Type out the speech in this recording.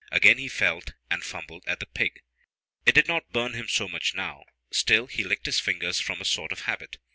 ] Again he felt and fumbled at the pig. It did not burn him so much now, still he licked his fingers from a sort of habit.